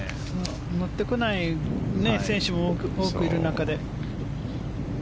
乗ってこない選手も多くいる中で。